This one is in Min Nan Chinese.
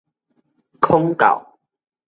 孔教